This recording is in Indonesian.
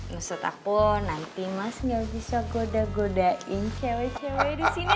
maksud aku nanti mas gak bisa goda godain cewek cewek di sini